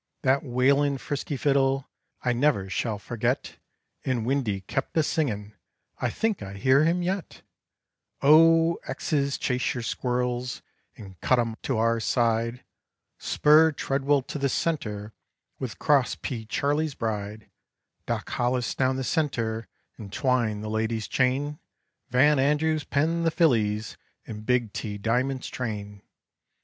That wailin', frisky fiddle, I never shall forget; And Windy kept a singin' I think I hear him yet "Oh, X's, chase yer squirrels, and cut 'em to our side; Spur Treadwell to the center, with Cross P Charley's bride, Doc Hollis down the center, and twine the ladies' chain, Van Andrews, pen the fillies in big T Diamond's train.